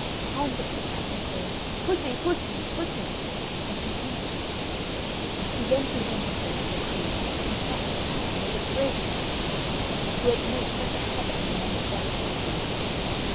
Upon which the captain called: "Pussy, pussy, pussy!" and she came to him. He then presented her to the queen, who started back, and was afraid to touch a creature who had made such a havoc among the rats and mice.